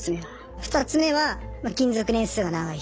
２つ目は勤続年数が長い人。